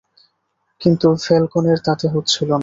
কিন্তু ফ্যালকোনের তাতে হচ্ছিল না।